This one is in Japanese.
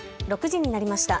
６時になりました。